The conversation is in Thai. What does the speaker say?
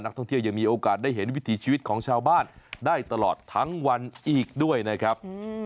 ท่องเที่ยวยังมีโอกาสได้เห็นวิถีชีวิตของชาวบ้านได้ตลอดทั้งวันอีกด้วยนะครับ